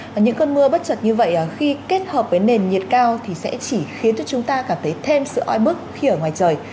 và những cơn mưa bất trợt như vậy khi kết hợp với nền nhiệt cao thì sẽ chỉ khiến cho chúng ta cảm thấy thêm sự oi bức khi ở ngoài trời